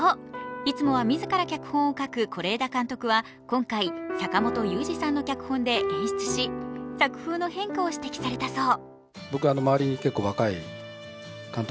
いつもは自ら脚本を書く是枝監督は今回坂元裕二さんの脚本で演出し作風の変化を指摘されたそう。